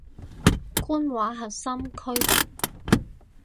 官話核心區域